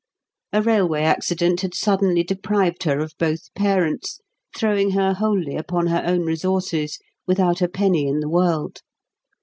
A railway accident had suddenly deprived her of both parents, throwing her wholly upon her own resources, without a penny in the world.